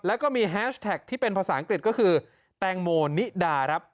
แล้วก็มีแฮชแท็กที่เป็นภาษาอังกฤษก็คือแตงโมนิดาครับ